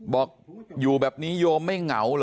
บอกอยู่แบบนี้โยมไม่เหงาเหรอ